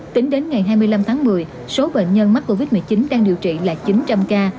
tính đến ngày hai mươi năm tháng một mươi số bệnh nhân mắc covid một mươi chín đang điều trị là chín trăm linh ca